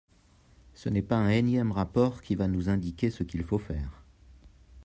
Ce n’est pas un énième rapport qui va nous indiquer ce qu’il faut faire.